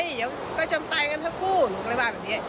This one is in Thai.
เดี๋ยวก็จำตายกันทั้งคู่หรืออะไรแบบนี้